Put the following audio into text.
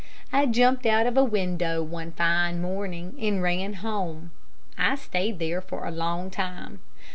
I jumped out of a window one fine morning, and ran home. I stayed there for a long time.